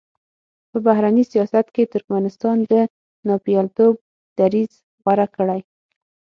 په بهرني سیاست کې ترکمنستان د ناپېیلتوب دریځ غوره کړی.